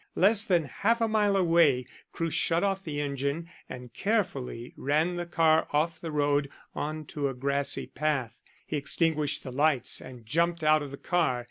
Less than half a mile away Crewe shut off the engine, and carefully ran the car off the road on to a grassy path. He extinguished the lights and jumped out of the car.